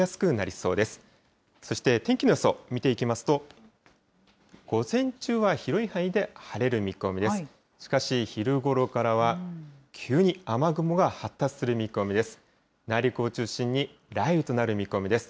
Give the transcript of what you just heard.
そして天気の予想を見ていきますと、午前中は広い範囲で晴れる見込みです。